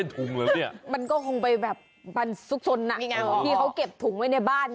จริงนี่มันให้เอาถุงออกนะ